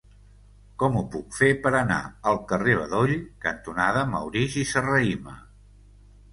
Com ho puc fer per anar al carrer Bedoll cantonada Maurici Serrahima?